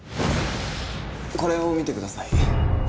これを見てください。